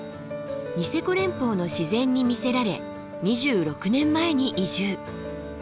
ニセコ連峰の自然に魅せられ２６年前に移住。